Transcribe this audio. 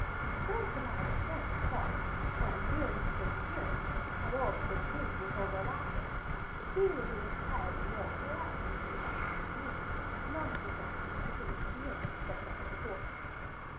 The girls could not understand his talk, and viewing his strange appearance had all that they could do to withhold their laughter, but seeing that he looked tired and worn they asked if he would like something to eat, and on his assenting they took him into the inn and spread supper before him.